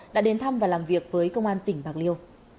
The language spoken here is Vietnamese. đã đến thăm và làm việc với công an tỉnh bạc liêu